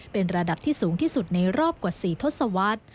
เป็นระดับที่สูงที่สุดในรอบกว่า๔ทศวรรษ